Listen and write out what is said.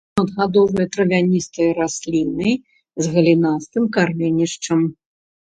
Шматгадовыя травяністыя расліны з галінастым карэнішчам.